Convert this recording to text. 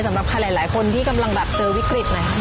สำหรับใครหลายคนที่กำลังแบบเจอวิกฤตนะครับ